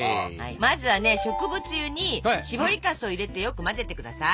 まずはね植物油にしぼりかすを入れてよく混ぜて下さい。